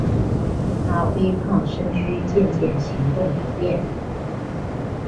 她微胖身躯渐渐行动不便